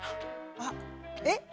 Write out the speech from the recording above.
あっえっ？